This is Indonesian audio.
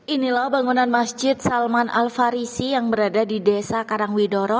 inilah bangunan masjid salman al farisi yang berada di desa karangwidoro